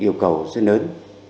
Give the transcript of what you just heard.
cái yêu cầu rất lớn